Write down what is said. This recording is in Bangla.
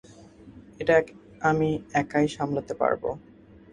এটা আমি একাই সামলাতে পারব।